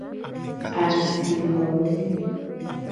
Asixo vi.